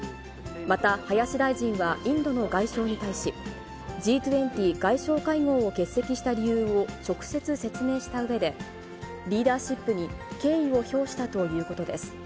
また、林大臣はインドの外相に対し、Ｇ２０外相会合を欠席した理由を直接説明したうえで、リーダーシップに敬意を表したということです。